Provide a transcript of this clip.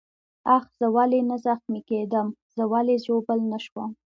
آخ، زه ولې نه زخمي کېدم؟ زه ولې ژوبل نه شوم؟